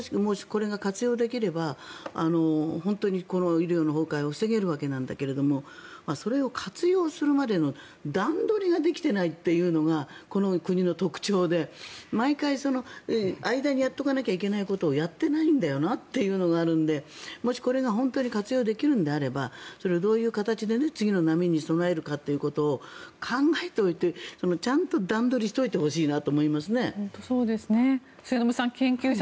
これが、もし活用できれば本当に医療崩壊を防げるわけなんだけどもそれを活用するまでの段取りができていないというのがこの国の特徴で毎回、間にやっておかなきゃいけないことをやっていないんだよなというのがあるんでもし、これが本当に活用できるのであればそれをどういう形で次の波に備えるかということを考えておいてちゃんと段取りをしておいてほしいなと思いますね。